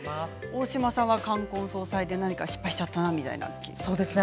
大島さんは冠婚葬祭で失敗しちゃったなみたいなことありますか？